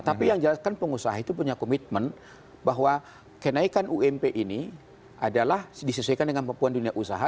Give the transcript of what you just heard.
tapi yang jelas kan pengusaha itu punya komitmen bahwa kenaikan ump ini adalah disesuaikan dengan kemampuan dunia usaha